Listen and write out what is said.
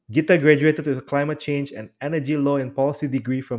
gita telah belajar dengan degree kekuatan keuangan dan keuangan